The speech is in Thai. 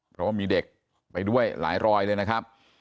เพราะว่ามีเด็กไปด้วยหลายรอยเลยนะครับ